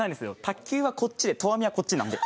卓球はこっちで投網はこっちなので。